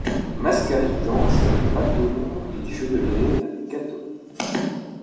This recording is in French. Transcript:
Mascarille danse avec Magdelon et Jodelet avec Cathos.